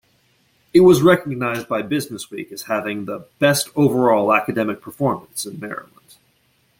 It was recognized by BusinessWeek as having the "Best Overall Academic Performance" in Maryland.